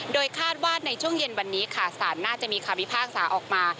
โดยคาดว่าในช่วงเย็นวันนี้ค่ะสารน่าจะมีคำพิพากษาออกมา